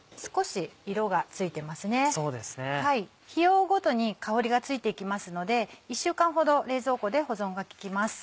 日を追うごとに香りがついていきますので１週間ほど冷蔵庫で保存が利きます。